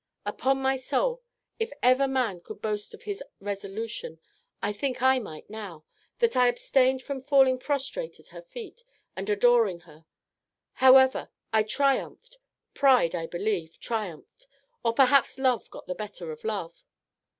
Upon my soul, if ever man could boast of his resolution, I think I might now, that I abstained from falling prostrate at her feet, and adoring her. However, I triumphed; pride, I believe, triumphed, or perhaps love got the better of love.